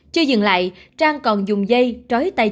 chưa dừng lại trang còn dùng dây trói tay